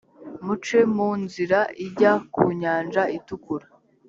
muce mu nzira ijya ku nyanja itukura